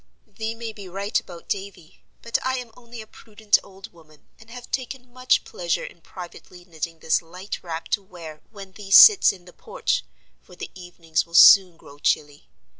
"Thee may be right about Davy, but I am only a prudent old woman, and have taken much pleasure in privately knitting this light wrap to wear when thee sits in the porch, for the evenings will soon grow chilly.